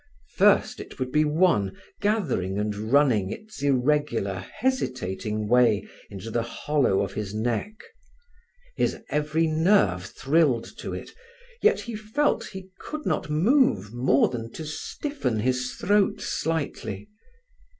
First it would be one gathering and running its irregular, hesitating way into the hollow of his neck. His every nerve thrilled to it, yet he felt he could not move more than to stiffen his throat slightly.